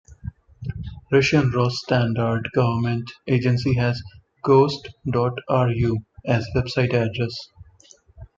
Russian Rosstandart government agency has "gost dot ru" as website address.